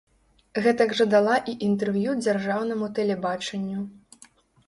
Гэтак жа дала і інтэрв'ю дзяржаўнаму тэлебачанню.